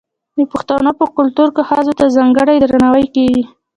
د پښتنو په کلتور کې ښځو ته ځانګړی درناوی کیږي.